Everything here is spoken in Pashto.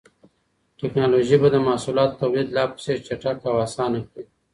ټکنالوژي به د محصولاتو توليد لا پسې چټک او اسانه کړي.